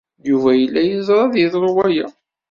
Yuba yella yeẓra ad d-yeḍru waya.